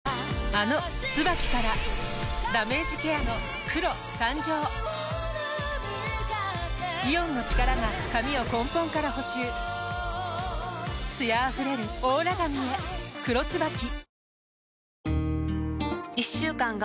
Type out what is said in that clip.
あの「ＴＳＵＢＡＫＩ」からダメージケアの黒誕生イオンの力が髪を根本から補修艶あふれるオーラ髪へ「黒ＴＳＵＢＡＫＩ」